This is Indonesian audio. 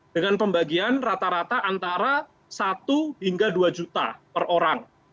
dengan pembagian rata rata antara satu hingga dua juta per orang